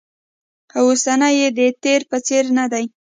او اوسنی یې د تېر په څېر ندی